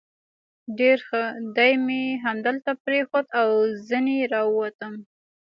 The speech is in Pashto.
ډېر ښه، دی مې همدلته پرېښود او ځنې را ووتم.